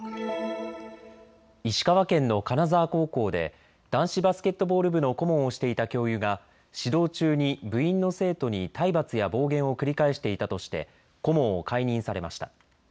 石川県の金沢高校で男子バスケットボール部の顧問をしていた教諭が指導中に部員の生徒に体罰や暴言を繰り返していたとして顧問を解任されました。